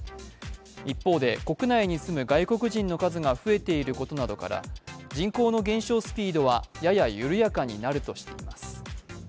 一方で国内に住む外国人の数が増えていることなどから人口の減少スピードはやや緩やかになるとしています。